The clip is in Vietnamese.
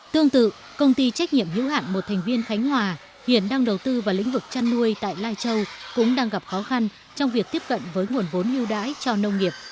tương tự công ty trách nhiệm hữu hạn một thành viên khánh hòa hiện đang đầu tư vào lĩnh vực chăn nuôi tại lai châu cũng đang gặp khó khăn trong việc tiếp cận với nguồn vốn ưu đãi cho nông nghiệp